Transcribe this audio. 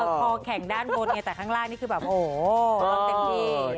เออคอยแข่งด้านบนอย่างนี้แต่ข้างล่างนี่คือแบบโอ้โหแบบเต็มที